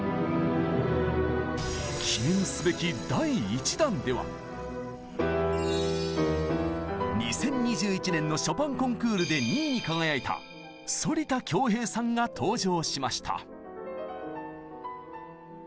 記念すべき２０２１年のショパンコンクールで２位に輝いた反田恭平さんが登場しました。